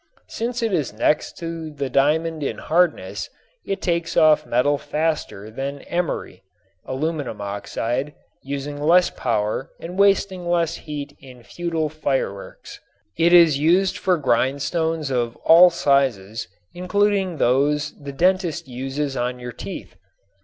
Since it is next to the diamond in hardness it takes off metal faster than emery (aluminum oxide), using less power and wasting less heat in futile fireworks. It is used for grindstones of all sizes, including those the dentist uses on your teeth.